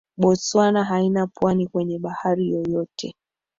Botswana haina pwani kwenye bahari yoyote